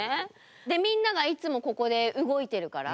でみんながいつもここで動いてるから。